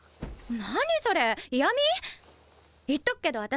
何それイヤミ⁉言っとくけど私